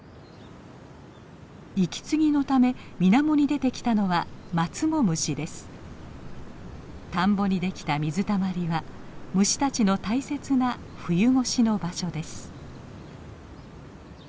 息継ぎのため水面に出てきたのは田んぼにできた水たまりは虫たちの大切な冬越しの場所です。